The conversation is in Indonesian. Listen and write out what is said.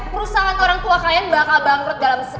perusahaan orang tua kalian bakal bangkrut dalam sejarah ini